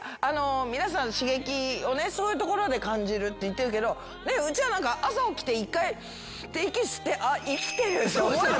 皆さん刺激をそういうところで感じるって言ってるけどうちらなんか朝起きて１回スーって息してあっ生きてるって思える。